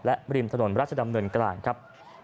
และริมถนนราชดำเนินกลางครับ